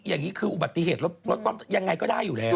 อย่างนี้คืออุบัติเหตุรถยังไงก็ได้อยู่แล้ว